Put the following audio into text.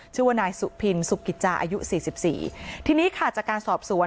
ชื่อว่านายสุพินสุกิจจาอายุสี่สิบสี่ทีนี้ค่ะจากการสอบสวน